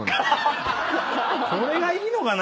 これがいいのかな？